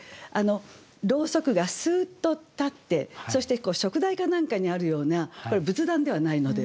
ロウソクがスーッと立ってそして燭台か何かにあるようなこれ仏壇ではないので。